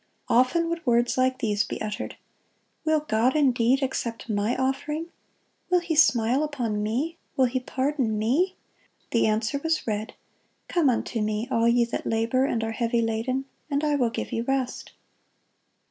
Often would words like these be uttered: "Will God indeed accept my offering? Will He smile upon me? Will He pardon me?" The answer was read, "Come unto Me, all ye that labor and are heavy laden, and I will give you rest."